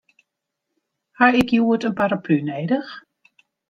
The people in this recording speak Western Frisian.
Ha ik hjoed in paraplu nedich?